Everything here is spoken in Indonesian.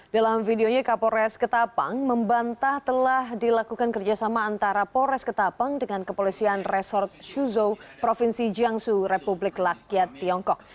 dalam videonya kapolres ketapang membantah telah dilakukan kerjasama antara polres ketapang dengan kepolisian resort shuzhou provinsi jiangsu republik rakyat tiongkok